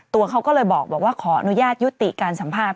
ตัวเขาก็เลยบอกว่าขออนุญาตยุติการสัมภาษณ